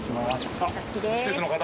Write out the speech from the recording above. あっ施設の方。